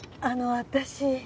あの私。